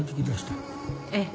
ええ。